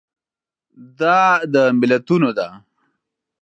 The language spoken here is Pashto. دا د ملتونو ده.